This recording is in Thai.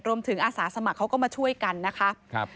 รวมถึงอาศสมัครเขาก็มาช่วยกันนะครับ